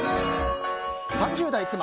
３０代妻。